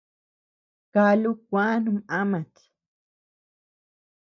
Kálu kuä num ámat.